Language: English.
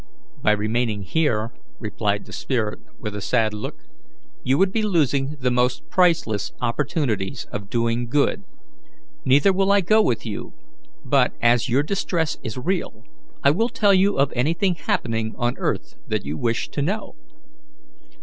"By remaining here," replied the spirit, with a sad look, "you would be losing the most priceless opportunities of doing good. Neither will I go with you; but, as your distress is real, I will tell you of anything happening on earth that you wish to know."